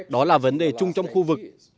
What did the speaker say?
đó là vấn đề chung trong khu vực